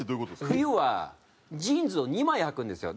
冬はジーンズを２枚穿くんですよ。